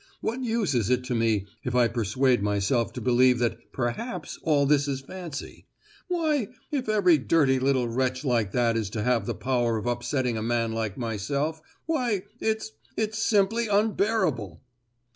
What use is it to me if I persuade myself to believe that perhaps all this is fancy? Why, if every dirty little wretch like that is to have the power of upsetting a man like myself, why—it's—it's simply unbearable!"